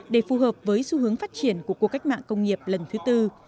để phù hợp với xu hướng phát triển của cuộc cách mạng công nghiệp lần thứ tư